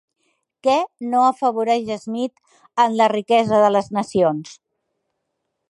Què no afavoreix Smith en La riquesa de les nacions?